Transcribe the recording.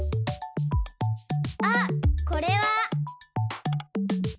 あっこれは。